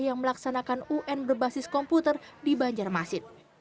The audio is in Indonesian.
yang melaksanakan un berbasis komputer di banjarmasin